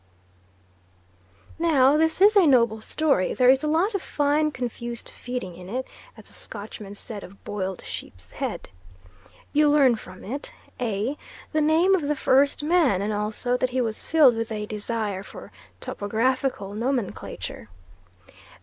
Now this is a noble story there is a lot of fine confused feeding in it, as the Scotchman said of boiled sheep's head. You learn from it A. The name of the first man, and also that he was filled with a desire for topographical nomenclature.